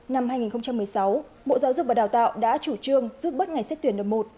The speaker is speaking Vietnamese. năm hai nghìn một mươi sáu bộ giáo dục và đào tạo đã chủ trương rút bớt ngày xét tuyển đợt một